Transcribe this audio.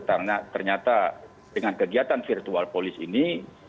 karena ternyata dengan kegiatan virtual polis ini